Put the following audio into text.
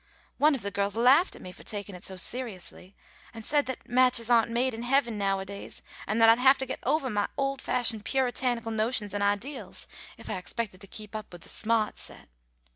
One of the girls laughed at me for taking it so seriously, and said that matches aren't made in heaven nowadays, and that I'd have to get ovah my old fashioned Puritanical notions and ideals if I expected to keep up with the sma'ht set.